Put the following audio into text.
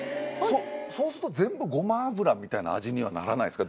そうすると全部ごま油みたいな味にはならないですか？